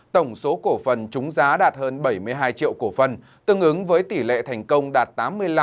tổng số cổ phần chúng giá đạt hơn bảy mươi hai triệu cổ phần tương ứng với tỷ lệ thành công đạt tám mươi năm